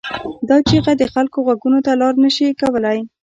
دا چیغه د خلکو غوږونو ته لاره نه شي کولای.